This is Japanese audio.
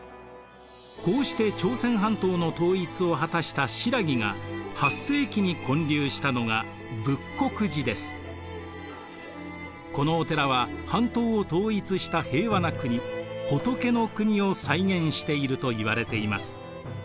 こうして朝鮮半島の統一を果たした新羅が８世紀に建立したのがこのお寺は半島を統一した平和な国仏の国を再現しているといわれています。